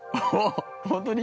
◆本当に？